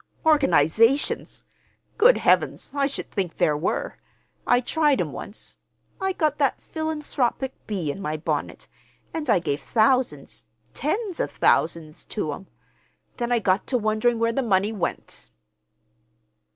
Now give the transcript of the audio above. "Organizations! Good Heavens, I should think there were! I tried 'em once. I got that philanthropic bee in my bonnet, and I gave thousands, tens of thousands to 'em. Then I got to wondering where the money went."